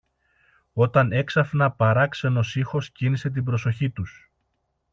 όταν έξαφνα παράξενος ήχος κίνησε την προσοχή τους.